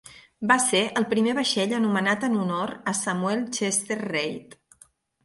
Va ser el primer vaixell anomenat en honor a Samuel Chester Reid.